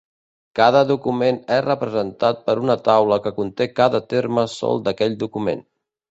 Cada document és representat per una taula que conté cada terme sol d'aquell document.